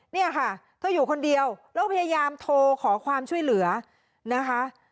เนี่ยค่ะเธออยู่คนเดียวแล้วพยายามโทรขอความช่วยเหลือนะคะ